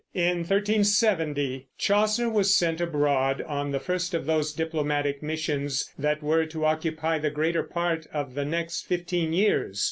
In 1370 Chaucer was sent abroad on the first of those diplomatic missions that were to occupy the greater part of the next fifteen years.